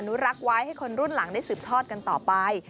รักษ์ไว้ให้คนรุ่นหลังได้สืบทอดกันต่อไป